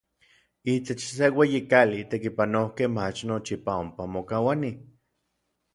Itech se ueyi kali, n tekipanojkej mach nochipa ompa mokauanij.